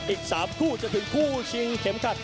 อีก๓คู่จะถึงคู่ชิงเข็มขัด